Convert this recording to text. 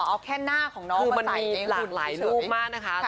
ตัดต่อเอาแค่หน้าของน้องคือมันมีหลายหลายลูกมากนะคะตัดต่อ